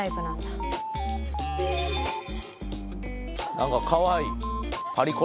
なんかかわいい。